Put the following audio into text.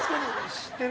知ってる？